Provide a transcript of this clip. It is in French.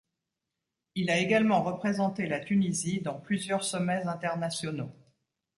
Il a également représenté la Tunisie dans plusieurs sommets internationaux.